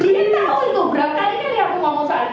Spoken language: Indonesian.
dia tahu itu berapa kali kali aku ngomong soal itu